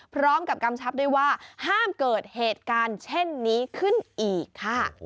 กำชับด้วยว่าห้ามเกิดเหตุการณ์เช่นนี้ขึ้นอีกค่ะ